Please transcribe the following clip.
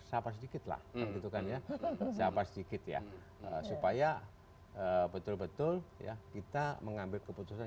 sabar sedikit lah gitu kan ya sabar sedikit ya supaya betul betul ya kita mengambil keputusan